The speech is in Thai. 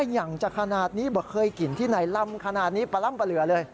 อย่างจะขนาดนี้บอกเคยกินที่ไหนล่ำขนาดนี้ปลาร่ำปลาเหลือเลย